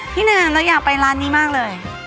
พี่น้ำแล้วอยากไปร้านนี้มากเลย